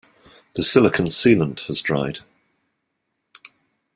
The silicon sealant has dried.